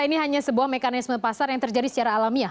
ini hanya sebuah mekanisme pasar yang terjadi secara alamiah